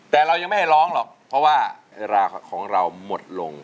แต่เรายังไม่ให้ร้องหรอกเพราะว่าราของเราหมดลง